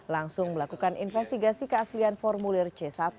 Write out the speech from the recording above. langsung melakukan investigasi keaslian formulir c satu